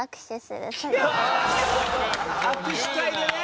握手会でね。